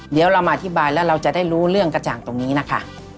เดี๋ยวเรามาอธิบายแล้วเราจะได้รู้เรื่องกระจ่างตรงนี้นะคะ